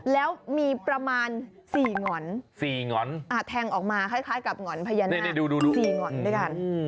แล้วมีประมาณ๔หง่อน๔หง่อนแทงออกมาคล้ายกับหง่อนพญานาค๔หง่อนด้วยกัน